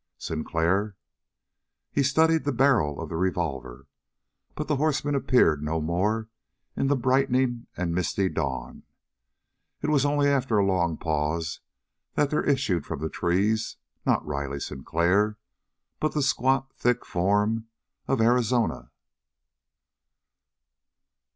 Sinclair? He studied the barrel of the revolver, but the horseman appeared no more in the brightening and misty dawn. It was only after a long pause that there issued from the trees, not Riley Sinclair, but the squat, thick form of Arizona!